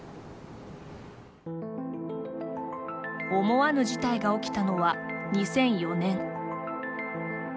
思わぬ事態が起きたのは２００４年。